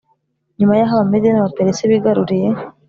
nyuma y aho Abamedi n Abaperesi bigaruriye